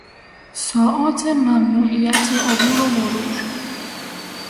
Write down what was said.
ساعات مموعیت عبور و مرور